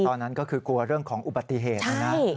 ตอนนั้นก็คือกลัวเรื่องของอุบัติเหตุนะนะ